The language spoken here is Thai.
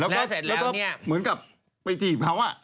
แล้วก็เหมือนกับไปจีบเขา